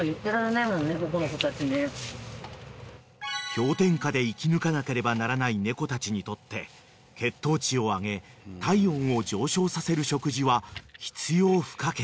［氷点下で生き抜かなければならない猫たちにとって血糖値を上げ体温を上昇させる食事は必要不可欠］